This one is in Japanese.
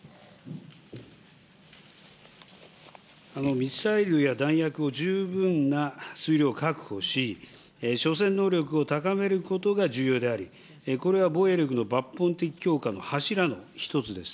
ミサイルや弾薬を十分な数量確保し、能力を高めることが重要であり、これは防衛力の抜本的強化の柱の一つです。